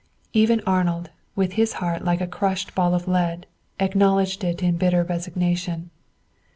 Even Arnold, with his heart like a crushed ball of lead, acknowledged it in bitter resignation.